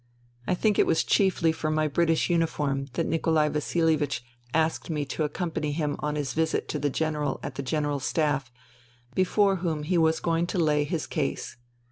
I think it was chiefly for my British uniform that Nikolai Vasilievich asked me to accompany him on his visit to the General at the General Staff, before whom he was going to lay his case.